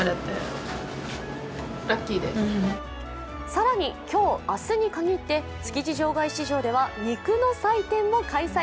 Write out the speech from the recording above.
更に今日、明日に限って築地場外市場では肉の祭典も開催。